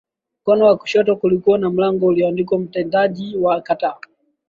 Mkono wa kushoto kulikuwa na mlango ulioandikwa mtendaji wa kata